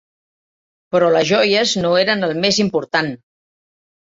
Però les joies no eren el més important.